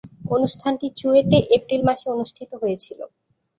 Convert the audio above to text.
অনুষ্ঠানটি চুয়েটে এপ্রিল মাসে অনুষ্ঠিত হয়েছিলো।